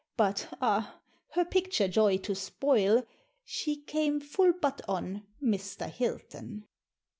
But ah! her picture joy to spoil, She came full butt on Mr. Hilton.